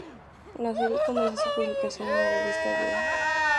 La serie comenzó su publicación en la revista "Good!